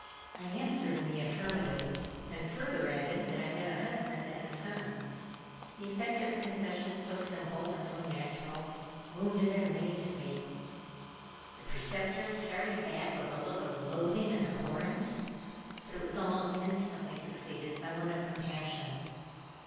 I answered in the affirmative, and further added that I had a husband and a son. The effect of a confession so simple, and so natural, wounded and amazed me. The Preceptress started back with a look of loathing and abhorrence; but it was almost instantly succeeded by one of compassion.